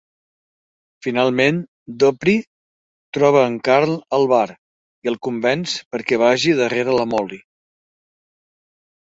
"Finalment Dupree troba en Carl al bar i el convenç perquè vagi darrere la Molly."